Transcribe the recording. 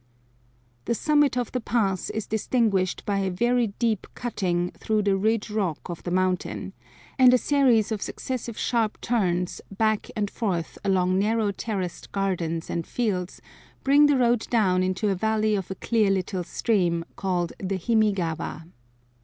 The summit of the pass is distinguished by a very deep cutting through the ridge rock of the mountain, and a series of successive sharp turns back and forth along narrow terraced gardens and fields bring the road down into the valley of a clear little stream, called the Himi gawa.